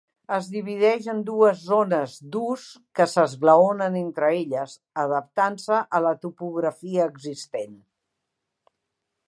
Es divideix en dues zones d'ús que s'esglaonen entre elles, adaptant-se a la topografia existent.